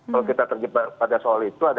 kalau kita terjebak pada soal itu